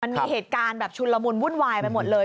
มันมีเหตุการณ์แบบชุนละมุนวุ่นวายไปหมดเลย